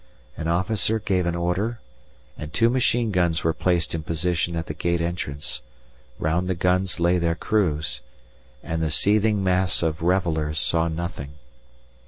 An officer gave an order, and two machine guns were placed in position in the gate entrance; round the guns lay their crews, and the seething mass of revellers saw nothing.